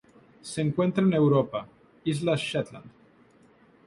Se encuentra en Europa: Islas Shetland.